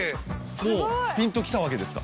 もうピンときたわけですか。